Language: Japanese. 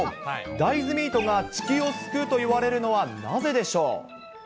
大豆ミートが地球を救うといわれるのはなぜでしょう？